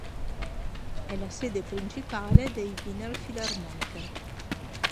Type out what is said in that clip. È la sede principale dei "Wiener Philharmoniker".